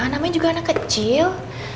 nama juga anak kecil